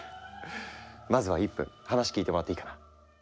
まずは１分話聞いてもらっていいかな？